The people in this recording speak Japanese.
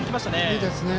いいですね。